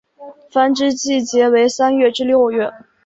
繁殖季节为三月至六月。